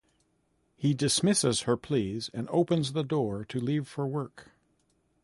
He dismisses her pleas and opens the door to leave for work.